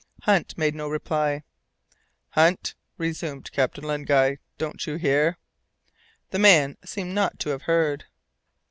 Hunt made no reply. "Hunt," resumed Captain Len Guy, "don't you hear?" The man seemed not to have heard.